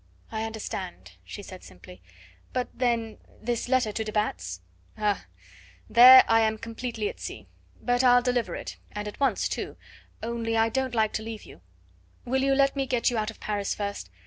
"I understand," she said simply. "But then this letter to de Batz?" "Ah, there I am completely at sea! But I'll deliver it, and at once too, only I don't like to leave you. Will you let me get you out of Paris first?